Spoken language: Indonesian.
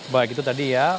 baik itu tadi ya